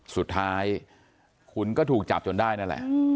สุดท้ายคุณก็ถูกจับจนได้นั่นแหละ